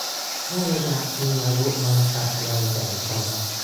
คู่รักมีอายุมาจัดงานแต่งกัน